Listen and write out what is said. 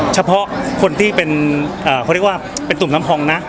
เฉพาะคนที่เป็นตุ่มน้ำหองนะ